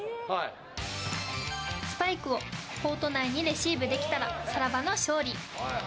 スパイクをコート内にレシーブできたらさらばの勝利。